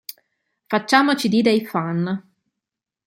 Facciamo cd dei Fun.